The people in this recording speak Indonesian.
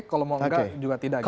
kalau mau enggak juga tidak gitu